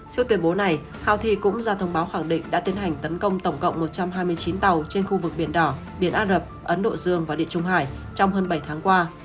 trước tuyên bố này houthi cũng ra thông báo khẳng định đã tiến hành tấn công tổng cộng một trăm hai mươi chín tàu trên khu vực biển đỏ biển á rập ấn độ dương và địa trung hải trong hơn bảy tháng qua